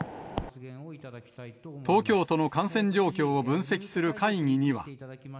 東京都の感染状況を分析する会議には。